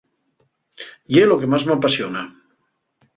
¡Ye lo que más m'apasiona!